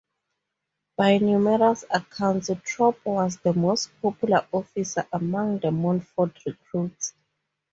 By numerous accounts Troup was the most popular officer among the Montford recruits.